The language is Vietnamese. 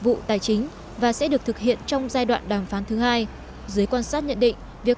vụ tài chính và sẽ được thực hiện trong giai đoạn đàm phán thứ hai giới quan sát nhận định việc